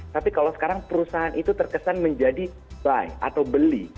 tapi kalau sekarang perusahaan itu terkesan menjadi buy atau beli